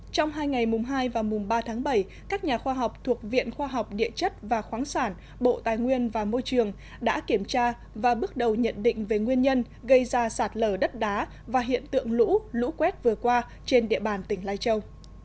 trong hai ngày mùng hai và mùng ba tháng bảy các nhà khoa học thuộc viện khoa học địa chất và khoáng sản bộ tài nguyên và môi trường đã kiểm tra và bước đầu nhận định về nguyên nhân gây ra sạt lở đất đá và hiện tượng lũ lũ quét vừa qua trên địa bàn tỉnh lai châu